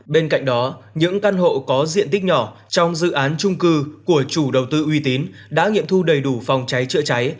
bên cạnh đó những căn hộ có diện tích nhỏ trong dự án trung cư của chủ đầu tư uy tín đã nghiệm thu đầy đủ phòng cháy chữa cháy